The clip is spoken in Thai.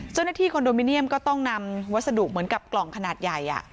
คอนโดมิเนียมก็ต้องนำวัสดุเหมือนกับกล่องขนาดใหญ่